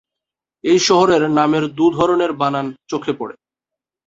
এই শহরের নামের দু’ধরনের বানান চোখে পড়ে।